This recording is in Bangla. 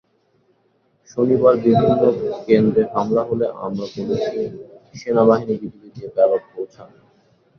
শনিবার বিভিন্ন কেন্দ্রে হামলা হলে আমরা বলেছি সেনাবাহিনী-বিজিবি দিয়ে ব্যালট পৌঁছান।